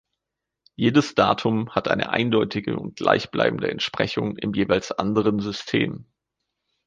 Jedes Datum hat eine eindeutige und gleichbleibende Entsprechung im jeweils anderen System.